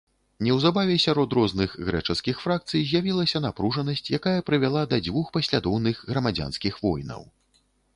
Неўзабаве сярод розных грэчаскіх фракцый з'явілася напружанасць, якая прывяла да дзвюх паслядоўных грамадзянскіх войнаў.